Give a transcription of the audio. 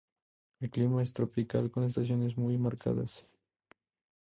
El clima es tropical, con estaciones muy marcadas.